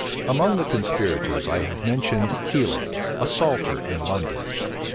Among the conspirators I have mentioned Keiling, a salter in London.